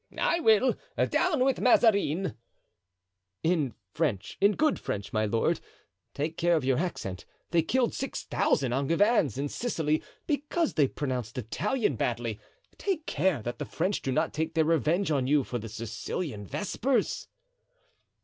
'" "I will: 'Down with Mazarin'" "In French, in good French, my lord, take care of your accent; they killed six thousand Angevins in Sicily because they pronounced Italian badly. Take care that the French do not take their revenge on you for the Sicilian vespers."